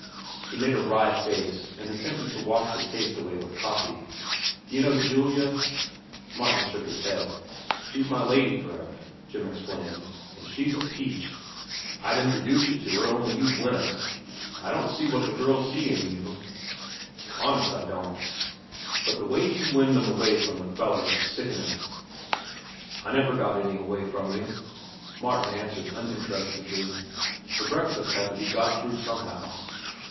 He made a wry face and attempted to wash the taste away with coffee. "D'ye know Julia?" Martin shook his head. "She's my lady friend," Jim explained, "and she's a peach. I'd introduce you to her, only you'd win her. I don't see what the girls see in you, honest I don't; but the way you win them away from the fellers is sickenin'." "I never got any away from you," Martin answered uninterestedly. The breakfast had to be got through somehow.